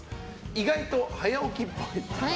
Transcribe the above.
意外と早起きっぽい。